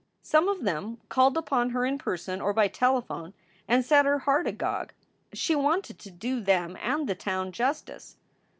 Some of them called upon her in person or by telephone and set her heart agog. She wanted to do them and the town justice.